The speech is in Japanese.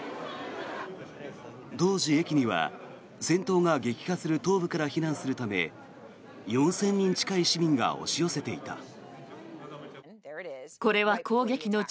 当時、駅には戦闘が激化する東部から避難するため４０００人近い市民が押し寄せていた。